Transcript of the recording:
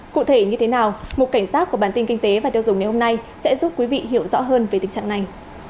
cụ thể như thế nào mục cảnh sát của bản tin kinh tế và tiêu dùng ngày hôm nay sẽ giúp quý vị hiểu rõ hơn về tình trạng này